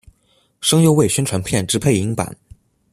声优为宣传片之配音版。